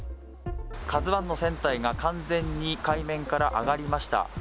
「ＫＡＺＵⅠ」の船体が完全に海面から上がりました。